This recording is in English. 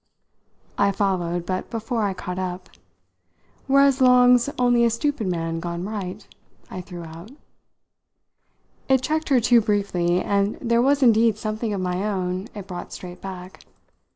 I followed, but before I caught up, "Whereas Long's only a stupid man gone right?" I threw out. It checked her too briefly, and there was indeed something of my own it brought straight back.